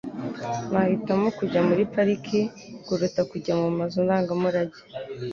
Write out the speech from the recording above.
Nahitamo kujya muri pariki kuruta kujya mu nzu ndangamurage.